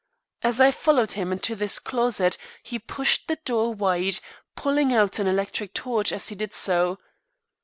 As I followed him into this closet he pushed the door wide, pulling out an electric torch as he did so.